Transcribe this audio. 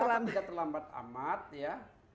kenapa tidak terlambat amat ya